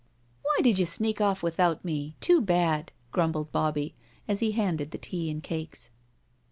" Why did you sneak off without me? Too bad," grumbled Bobbie, as he handed the tea and cakes.